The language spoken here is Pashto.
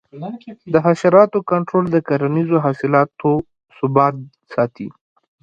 د حشراتو کنټرول د کرنیزو حاصلاتو ثبات ساتي.